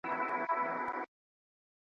د کلونو مسافر یم د ښکاریانو له شامته .